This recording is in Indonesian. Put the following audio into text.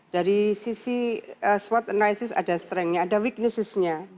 dari sisi swast analisis ada strengnya ada weaknessesnya